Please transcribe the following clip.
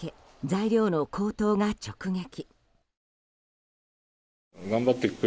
材料の高騰が直撃。